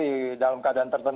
di dalam keadaan tersebut